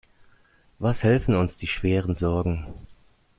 Was helfen uns die schweren Sorgen?